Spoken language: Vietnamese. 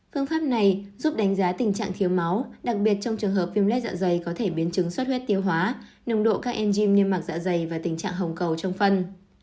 phương pháp này giúp đánh giá tình trạng thiếu máu đặc biệt trong trường hợp viêm lết dạ dày có thể biến chứng suất huyết tiêu hóa nồng độ các enzym niêm mạc dạ dày và tình trạng hồng cầu trong phân